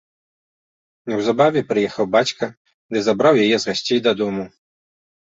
Неўзабаве прыехаў бацька ды забраў яе з гасцей дадому.